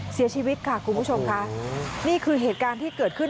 เสียชีวิตค่ะคุณผู้ชมค่ะนี่คือเหตุการณ์ที่เกิดขึ้น